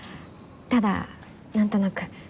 ただ何となく。